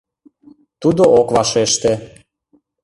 Тудо ок вашеште.